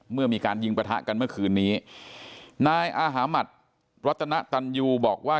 เมื่อมีการยิงประทะกันเมื่อคืนนี้นายอาหามัติรัตนตันยูบอกว่า